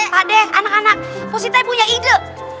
padeh anak anak positai punya ide